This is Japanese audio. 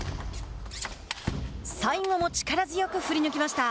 最後も力強く振り抜きました。